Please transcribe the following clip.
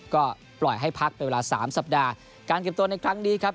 ก็ปล่อยให้พักเป็นเวลาสามสัปดาห์การเก็บตัวในครั้งนี้ครับ